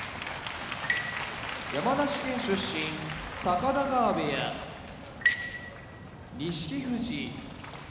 山梨県出身高田川部屋錦富士青森県出身